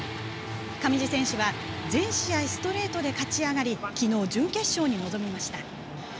上地選手は全試合ストレートで勝ち上がりきのう、準決勝に臨みました。